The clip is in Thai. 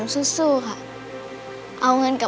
ใช่ค่ะ